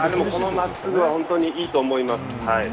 この夏は、本当にいいと思います。